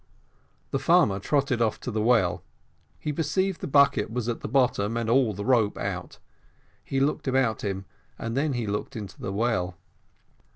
The farmer trotted off to the well; he perceived the bucket was at the bottom and all the rope out; he looked about him, and then he looked into the well.